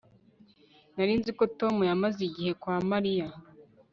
Nari nzi ko Tom yamaze igihe kwa Mariya